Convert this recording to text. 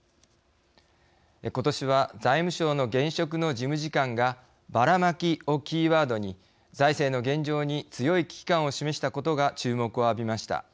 ことしは財務省の現職の事務次官がバラマキをキーワードに財政の現状に強い危機感を示したことが注目を浴びました。